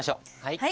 はい。